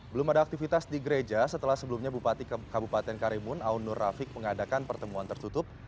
belum ada aktivitas di gereja setelah sebelumnya bupati kabupaten karimun aun nur rafiq mengadakan pertemuan tertutup